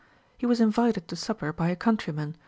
He Avas invited to supper by a countryman.